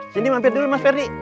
mampir dulu mas ferdi